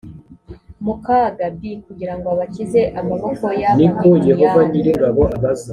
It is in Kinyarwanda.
mu kaga b kugira ngo abakize amaboko y abamidiyani